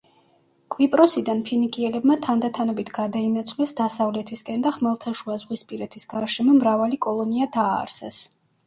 კვიპროსიდან ფინიკიელებმა თანდათანობით გადაინაცვლეს დასავლეთისკენ და ხმელთაშუა ზღვისპირეთის გარშემო მრავალი კოლონია დააარსეს.